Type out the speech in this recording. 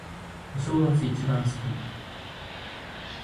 お正月、一番好き。